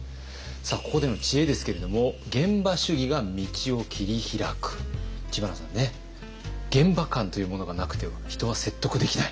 さあここでの知恵ですけれども知花さんね「現場感というものがなくては人は説得できない」。